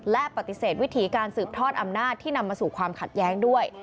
และปฏิเสธวิถีการสืบทอดอำนาจที่นำมาสู่ความขัดแย้งด้วย